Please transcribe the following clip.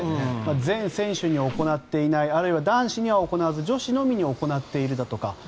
全選手に行っていないあるいは男子には行わず女子のみに行っているだとか